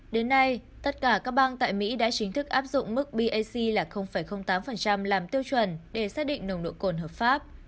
đến nay tất cả các bang tại mỹ đã chính thức áp dụng mức bac là tám làm tiêu chuẩn để xác định nồng độ cồn hợp pháp